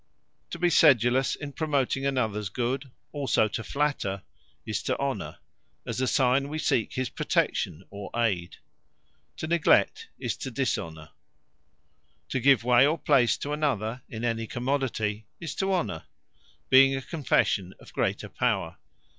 To be sedulous in promoting anothers good; also to flatter, is to Honour; as a signe we seek his protection or ayde. To neglect, is to Dishonour. To give way, or place to another, in any Commodity, is to Honour; being a confession of greater power.